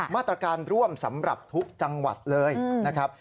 มาตรการร่วมสำหรับทุกจังหวัดเลยนะครับ